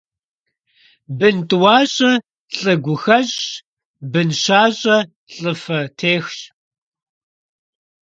Бын тӀуащӀэ лӀы гу хэщӀщ, бын щащӀэ лӀы фэ техщ.